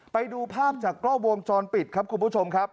ไปดูภาพจากกล้องวงจรปิดครับคุณผู้ชมครับ